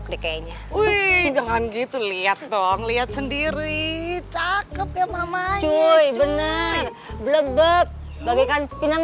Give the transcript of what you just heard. kayaknya wih jangan gitu lihat dong lihat sendiri cakep ya mama cuy bener blebeb bagaikan pinang